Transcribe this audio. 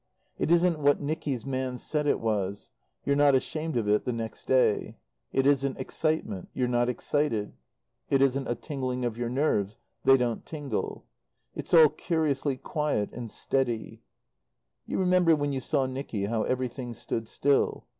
It isn't what Nicky's man said it was you're not ashamed of it the next day. It isn't excitement; you're not excited. It isn't a tingling of your nerves; they don't tingle. It's all curiously quiet and steady. You remember when you saw Nicky how everything stood still?